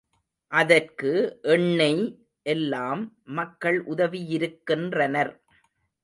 அதற்கு எண்ணெய் எல்லாம் மக்கள் உதவியிருக்கின்றனர்.